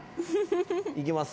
いきます。